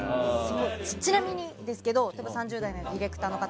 ちなみにですけど３０代のディレクターの方。